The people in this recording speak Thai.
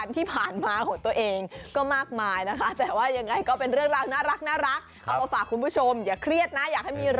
แล้วก็ตุ๊กก้นกระแทกพื้นลื่นบันไดจุ๊บ